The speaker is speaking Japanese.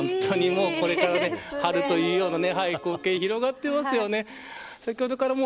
本当にこれから春というような光景が広がっていますよ。